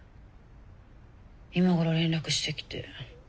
今頃連絡してきて。